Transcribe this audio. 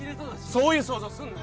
そういう想像すんなよ！